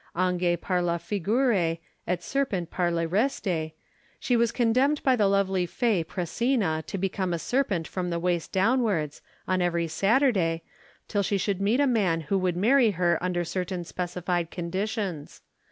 'Ange par la figure, et serpent par le reste,' she was condemned by the lovely fay Pressina to become a serpent from the waist downwards, on every Saturday, till she should meet a man who would marry her under certain specified conditions.